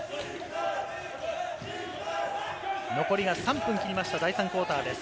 残りが３分を切りました第３クオーターです。